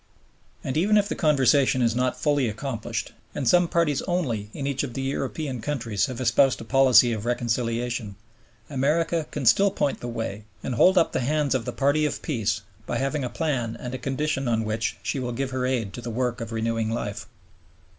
And even if the conversion is not fully accomplished, and some parties only in each of the European countries have espoused a policy of reconciliation, America can still point the way and hold up the hands of the party of peace by having a plan and a condition on which she will give her aid to the work of renewing life.